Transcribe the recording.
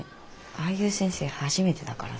ああいう先生初めてだからさ。